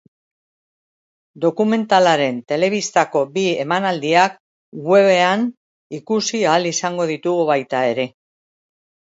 Dokumentalaren telebistako bi emanaldiak webean ikusi ahal izango ditugu baita ere.